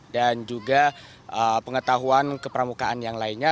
dan juga pengetahuan kepramukaan yang lainnya